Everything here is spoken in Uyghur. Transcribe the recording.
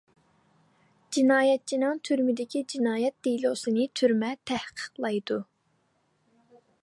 جىنايەتچىنىڭ تۈرمىدىكى جىنايەت دېلوسىنى تۈرمە تەھقىقلەيدۇ.